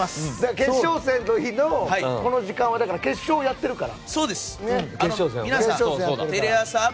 決勝戦の日のこの時間は決勝やってるから。